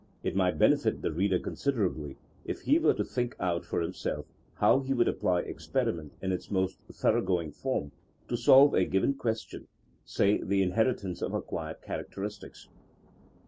It might benefit the reader considerably if he were to think out for himself how he would apply experiment in its most thoroughgoing form to solve a given ques tion, say the inheritance of acquired character istics.